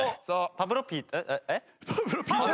パブロッピーん？